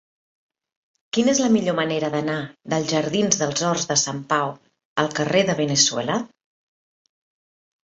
Quina és la millor manera d'anar dels jardins dels Horts de Sant Pau al carrer de Veneçuela?